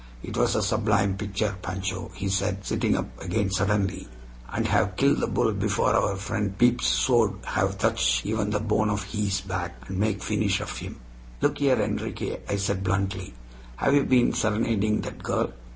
It was a sublime picture, Pancho," he said, sitting up again suddenly, "and have kill the bull before our friend Pepe's sword have touch even the bone of hees back and make feenish of him." "Look here, Enriquez," I said bluntly, "have you been serenading that girl?"